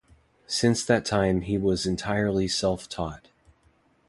Since that time he was entirely self-taught.